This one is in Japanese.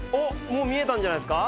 もう見えたんじゃないですか？